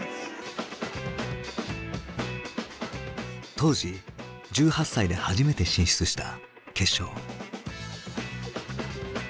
当時１８歳で初めて進出した決勝。